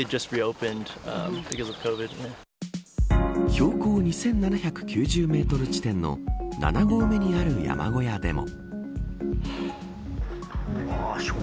標高２７９０メートル地点の７合目にある山小屋でも。